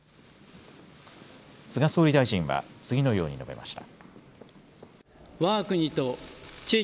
菅総理大臣は次のように述べました。